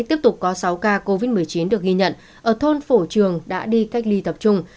tiếp tục có sáu ca covid một mươi chín được ghi nhận ở thôn phổ trường đã đi cách ly tập trung